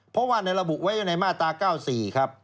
เพราะว่าระบุไว้ในมาตรา๙๔ครับ